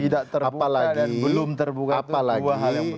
tidak terbuka dan belum terbuka itu dua hal yang berbeda